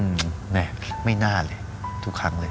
แหม่ไม่น่าเลยทุกครั้งเลย